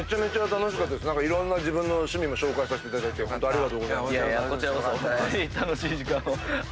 いろんな自分の趣味も紹介させていただいて。